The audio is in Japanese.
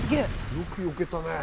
よく避けたね。